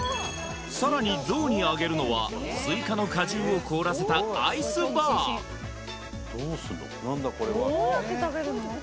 さらにゾウにあげるのはスイカの果汁を凍らせた何だこれはどうやって食べるの？